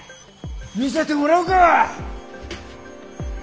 見せてもらおうか。